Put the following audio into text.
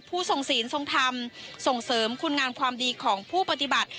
ทรงศีลทรงธรรมส่งเสริมคุณงามความดีของผู้ปฏิบัติ